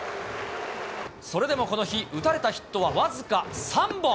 それでもこの日、打たれたヒットは僅か３本。